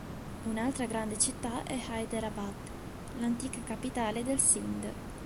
Un'altra grande città è Hyderabad, l'antica capitale del Sindh.